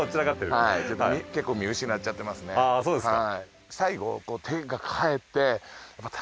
そうですか。